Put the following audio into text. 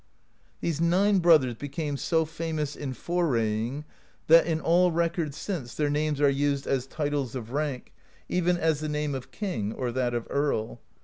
^ These nine brothers became so famous in foraying that, in all records since, their names are used as titles of rank, even as the name of King or that of Earl.